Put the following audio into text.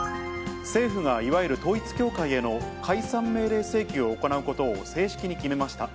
政府が、いわゆる統一教会への解散命令請求を行うことを正式に決めました。